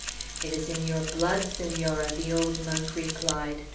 "It is in your blood, Senora," the old monk replied.